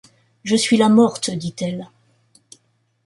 Je suis la morte, dit-elle.